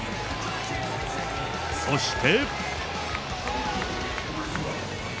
そして。